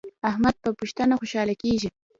احمد په پښتنه خوشحاله کیږي.